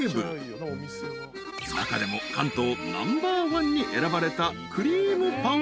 ［中でも関東ナンバーワンに選ばれたクリームパンは］